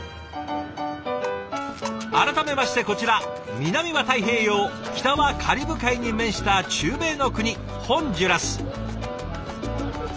改めましてこちら南は太平洋北はカリブ海に面した中米の国ホンジュラス。